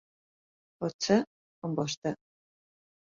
Potser com vostè.